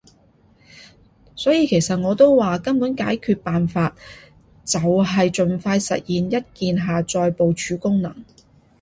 所以其實我都話，根本解決辦法就係儘快實現一鍵下載部署功能